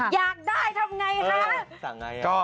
อยากได้ทำไงคะ